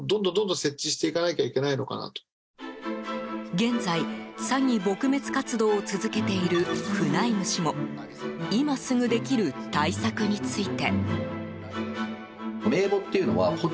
現在、詐欺撲滅活動を続けているフナイム氏も今すぐできる対策について。